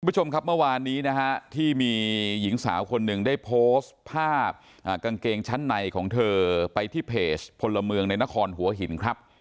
คุณผู้ชมครับเมื่อวานนี้นะฮะที่มีหญิงสาวคนหนึ่งได้โพสต์ภาพกางเกงชั้นในของเธอไปที่เพจพลเมืองในนครหัวหินครับ